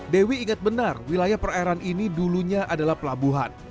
dewi ingat benar wilayah perairan ini dulunya adalah pelabuhan